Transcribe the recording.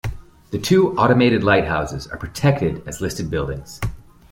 The two automated lighthouses are protected as listed buildings.